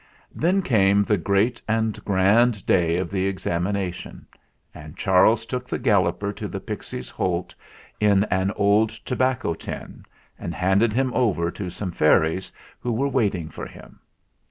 Then came the great and grand day of the examination, and Charles took the Galloper to the Pixies' Holt in an old tobacco tin, and handed him over to some fairies who were waiting for him.